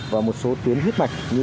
và một số tuyến huyết mạch như